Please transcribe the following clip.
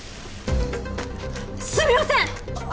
すみません！